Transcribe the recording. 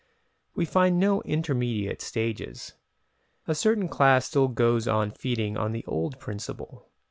We find no intermediate stages. A certain class still goes on feeding on the old principle.